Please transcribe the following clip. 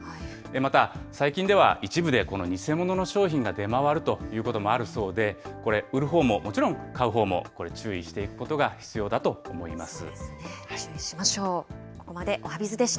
また、最近では一部で、偽物の商品が出回るということもあるそうで、これ、売るほうももちろん買うほうもこれ注意していくことが必要だと思います。